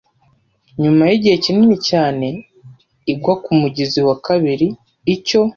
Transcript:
nyuma yigihe kinini cyane, igwa kumugezi wa kabiri - icyo